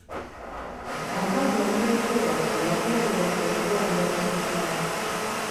Akaza okwenkuba gwe bateebereza okuba omulogo ku kyalo.